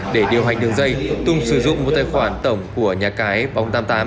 để điều hành đường dây tùng sử dụng một tài khoản tổng của nhà cái bóng tám mươi tám